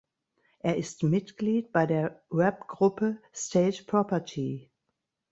Er ist Mitglied bei der Rap-Gruppe State Property.